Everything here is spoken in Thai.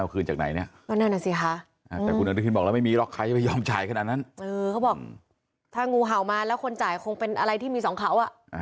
ก็คงไม่มีคนจ่ายคงมีแต่ควายจ่าย